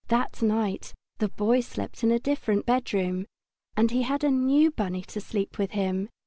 That night the Boy slept in a different bedroom, and he had a new bunny to sleep with him.